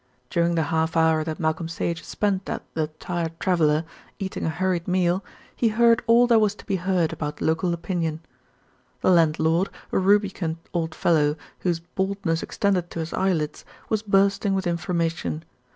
During the half hour that Malcolm Sage spent at The Tired Traveller, eating a hurried meal, he heard all there was to be heard about local opinion. The landlord, a rubicund old fellow whose baldness extended to his eyelids, was bursting with information.